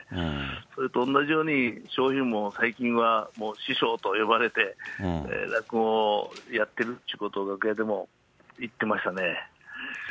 それと同じように笑瓶も最近はもう師匠と呼ばれて、落語やってるっちゅうことを楽屋でも言ってましたね。